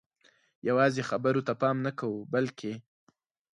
یوازې خبرو ته پام نه کوو بلکې